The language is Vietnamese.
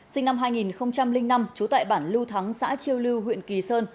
sinh năm hai nghìn năm trú tại bản lưu thắng xã chiêu lưu huyện kỳ sơn